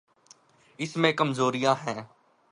اس میں کمزوریاں ہیں۔